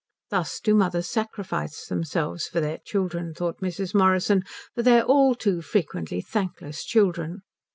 Thus do mothers sacrifice themselves for their children, thought Mrs. Morrison, for their all too frequently thankless children.